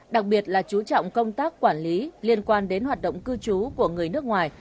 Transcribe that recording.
đặc biệt là chú trọng công tác quản lý liên quan đến hoạt động cư trú của người nước ngoài